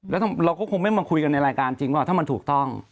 แล้วเราก็คงไม่มาคุยกันในรายการจริงว่าถ้ามันถูกต้อง